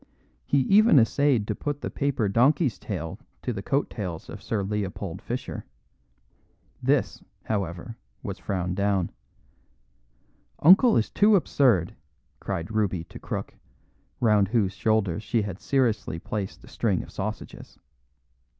He even essayed to put the paper donkey's tail to the coat tails of Sir Leopold Fischer. This, however, was frowned down. "Uncle is too absurd," cried Ruby to Crook, round whose shoulders she had seriously placed a string of sausages.